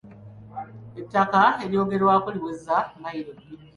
Ettaka eryogerwako liweza mayiro bbiri.